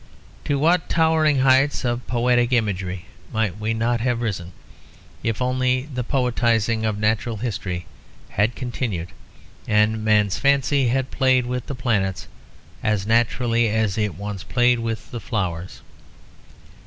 To what towering heights of poetic imagery might we not have risen if only the poetizing of natural history had continued and man's fancy had played with the planets as naturally as it once played with the flowers!